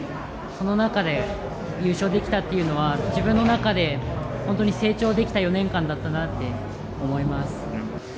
その中で優勝できたというのは自分の中で本当に成長できた４年間だったなって思います。